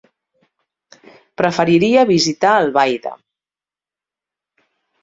Preferiria visitar Albaida.